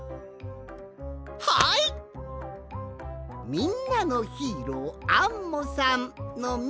「みんなのヒーローアンモさん」の「み」！